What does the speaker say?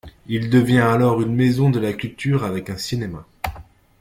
Il devient alors une maison de la culture avec un cinéma.